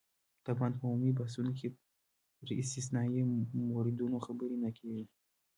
طبعاً په عمومي بحثونو کې پر استثنايي موردونو خبرې نه کېږي.